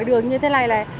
cháu xuống dưới này